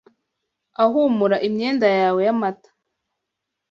ahumura imyenda yawe y'amata